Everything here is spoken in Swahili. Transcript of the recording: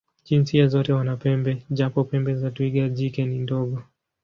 Jinsia zote wana pembe, japo pembe za twiga jike ni ndogo.